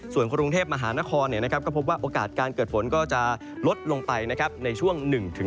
ส่วนกรุงเทพมหานครก็พบว่าโอกาสการเกิดฝนก็จะลดลงไปในช่วง๑๒